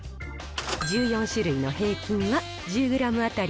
１４種類の平均は１０グラム当たり